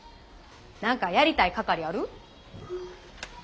何かやりたい係ある？